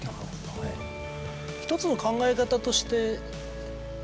１つの考え方として。